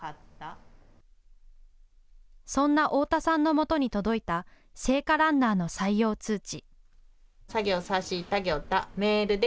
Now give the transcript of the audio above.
そんな太田さんのもとに届いた聖火ランナーの採用通知。